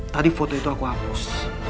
tadi foto itu aku hapus